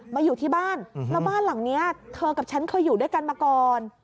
อยู่ที่บ้านแล้วบ้านหลังนี้เธอกับฉันเคยอยู่ด้วยกันมาก่อน